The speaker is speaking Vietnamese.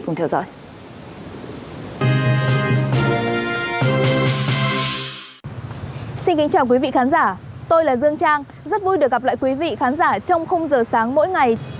xin kính chào quý vị khán giả tôi là dương trang rất vui được gặp lại quý vị khán giả trong khung giờ sáng mỗi ngày